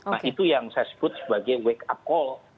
nah itu yang saya sebut sebagai wake up call